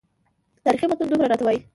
تاریخي متون دومره راته وایي.